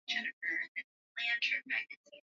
msiamke asubuhi kila mmoja yuko kwenye hifadhi